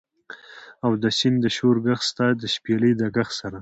او د سیند د شور ږغ، ستا د شپیلۍ د ږغ سره